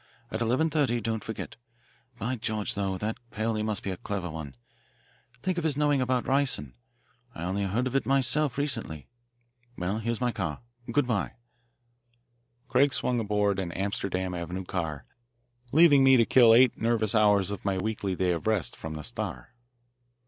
At eleven thirty, don't forget. By George, though, that Paoli must be a clever one think of his knowing about ricin. I only heard of it myself recently. Well, here's my car. Good bye." Craig swung aboard an Amsterdam Avenue car, leaving me to kill eight nervous hours of my weekly day of rest from the Star.